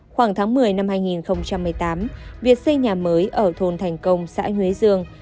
khoảng tháng một mươi năm hai nghìn một mươi tám việc xây nhà mới ở thôn thành công xã huế dương